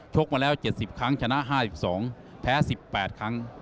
กมาแล้ว๗๐ครั้งชนะ๕๒แพ้๑๘ครั้ง